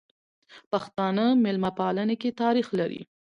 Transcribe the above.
پښتانه ميلمه پالنې کی تاریخ لري.